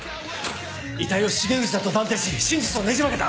遺体を重藤だと断定し真実をねじ曲げた。